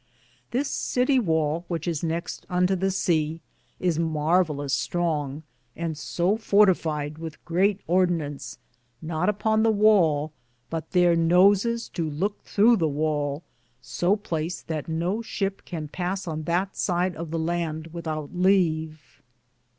This Cittie wale which is nexte unto the seae is marvalus stronge, and so fortified with greate ordinance, not upon the wale, but their nosis Do louke throw the wale, so placed that no ship can pass on that side of the lande withoute leve.